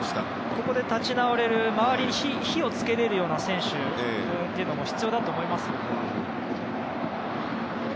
ここで立ち直れる周りに火を付けられる選手も必要だと思いますよ。